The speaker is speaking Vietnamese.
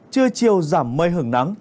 trưa chiều giảm mây hưởng nắng